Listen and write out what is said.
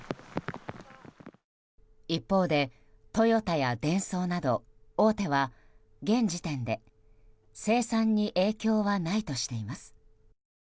一方で、トヨタやデンソーなど大手は現時点で生産に影響はないとしています。